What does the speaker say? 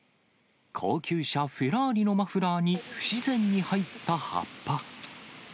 高級車、フェラーリのマフラーに不自然に入った葉っぱ。